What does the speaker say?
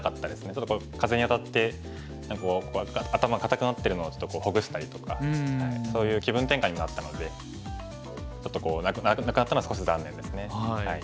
ちょっと風に当たって頭固くなってるのをちょっとほぐしたりとかそういう気分転換になったのでちょっとなくなったのは少し残念ですね。